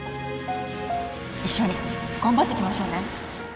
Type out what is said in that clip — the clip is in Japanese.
一緒に頑張っていきましょうね